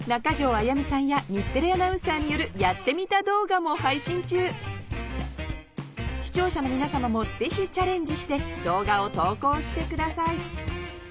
あやみさんや日テレアナウンサーによるやってみた動画も配信中視聴者の皆様もぜひチャレンジして動画を投稿してください